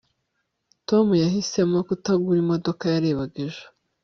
tom yahisemo kutagura imodoka yarebaga ejo